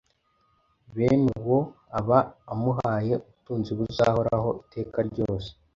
Bene uwo aba amuhaye ubutunzi buzahoraho iteka ryose